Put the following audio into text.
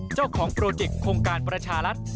เจ้าของโปรเจกต์โครงการประชารัฐ